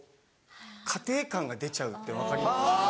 家庭感が出ちゃうって分かりますか。